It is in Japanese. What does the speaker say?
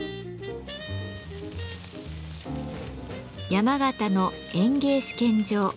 山形の園芸試験場。